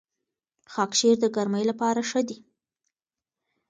خاکشیر د ګرمۍ لپاره ښه دی.